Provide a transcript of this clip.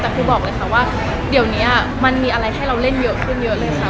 แต่ครูบอกเลยค่ะว่าเดี๋ยวนี้มันมีอะไรให้เราเล่นเยอะขึ้นเยอะเลยค่ะ